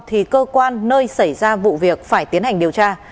thì cơ quan nơi xảy ra vụ việc phải tiến hành điều tra